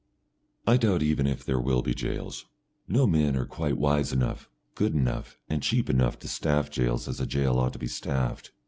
I doubt even if there will be jails. No men are quite wise enough, good enough and cheap enough to staff jails as a jail ought to be staffed.